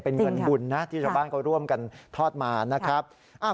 เป็นเงินบุญนะที่ชาวบ้านเขาร่วมกันทอดมานะครับ